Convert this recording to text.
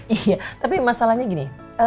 iya tapi masalahnya gini